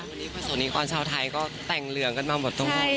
วันนี้ประสงค์นิคอลชาวไทยก็แต่งเหลืองกันมาแบบเท่าไหร่